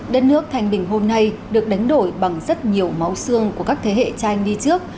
đất nước thành bình hôm nay được đánh đổi bằng rất nhiều máu xương của các thế hệ tranh đi trước